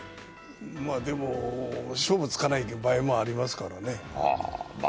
まあでも、勝負つかない場合もありますからね。